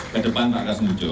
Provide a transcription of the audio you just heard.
kedepan pak kas mujo